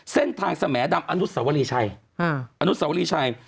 เส้นทางสมแดมอนุสสวรีชัย